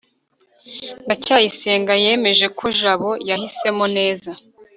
ndacyayisenga yemera ko jabo yahisemo neza